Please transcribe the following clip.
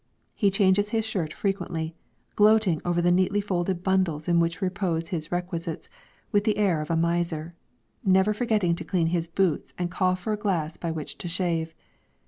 He changes his shirt frequently, gloating over the neatly folded bundles in which repose his requisites with the air of a miser, never forgetting to clean his boots and call for a glass by which to shave.